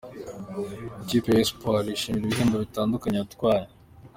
Ikipe ya Espoir yishimira ibihembo bitandukanye yatwaye.